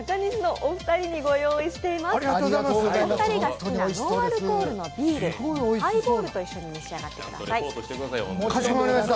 お二人が好きなノンアルコールビール、ハイボールと一緒に召し上がってください。